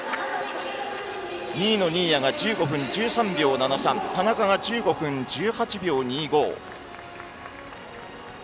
２位の新谷が１５分１３秒７３田中が１５分１８秒２５。